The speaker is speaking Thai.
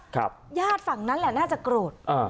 ญาติฝั่งนั้นแหละน่าจะโกรธอ่า